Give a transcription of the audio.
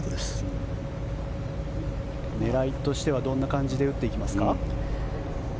狙いとしてはどんな感じで打っていきますか？